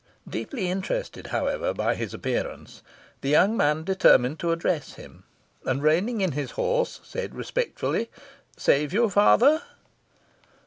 Deeply interested, however, by his appearance, the young man determined to address him, and, reining in his horse, said respectfully, "Save you, father!"